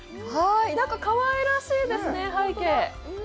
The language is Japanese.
なんか、かわいらしいですね、背景。